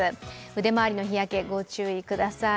腕まわりの日焼け、ご注意ください。